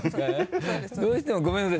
どうしてもごめんなさい